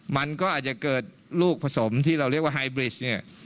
มันก็อาจจะเกิดลูกผสมที่เราเรียกว่าไฮบริชเนี่ย